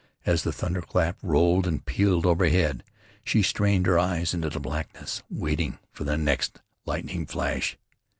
As the thunderclap rolled and pealed overhead, she strained her eyes into the blackness waiting for the next lightning flash.